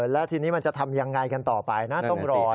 แล้วทีนี้มันจะทำอย่างไรกันต่อไปนะต้องรอใช่ไหม